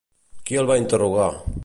Qui el va interrogar?